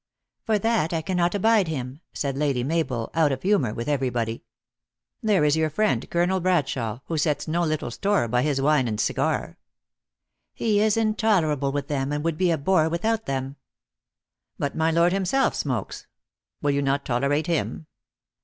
" For that I cannot abide him," said Lady Mabel, out of humor with everybody. "There is your friend, Colonel Bradshawe, who sets no little store by his wine and cigar." THE ACTRESS IN HIGH LIFE. 265 " He is intolerable with them, and would be a bore without them." " But my Lord himself smokes. Will you not tol erate him